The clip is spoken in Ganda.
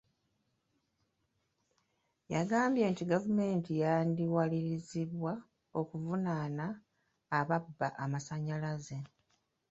Yagambye nti gavumenti yandiwalirizibwa okuvunaana ababba amasannyalaze.